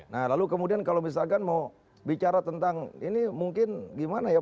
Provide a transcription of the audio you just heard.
nah lalu kemudian kalau misalkan mau bicara tentang ini mungkin gimana ya